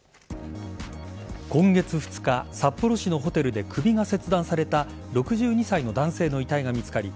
今月２日札幌市のホテルで首が切断された６２歳の男性の遺体が見つかり